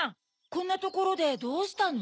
こんなところでどうしたの？